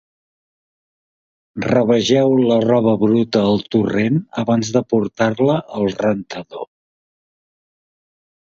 Rabegeu la roba bruta al torrent abans de portar-la al rentador.